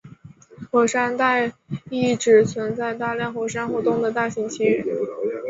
火山带意指存在大量火山活动的大型区域。